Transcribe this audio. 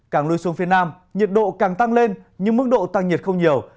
càng lui xuống phía nam nhiệt độ càng tăng lên nhưng mức độ tăng nhiệt không nhiều